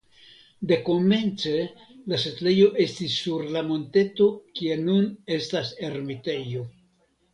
Dekomence la setlejo estis sur la monteto kie nun estas ermitejo.